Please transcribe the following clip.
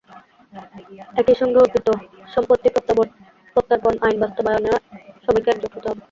একই সঙ্গে অর্পিত সম্পত্তি প্রত্যর্পণ আইন বাস্তবায়নেও সবাইকে একজোট হতে হবে।